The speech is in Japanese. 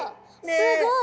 すごい。